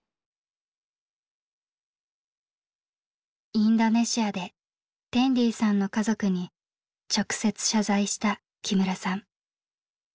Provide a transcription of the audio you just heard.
インドネシアでテンディさんの家族に直接謝罪した木村さん。